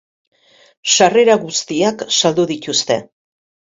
Sarrera guztiak saldu dituzte.